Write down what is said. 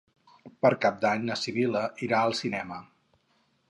Per Cap d'Any na Sibil·la irà al cinema.